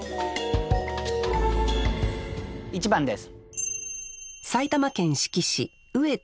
１番です。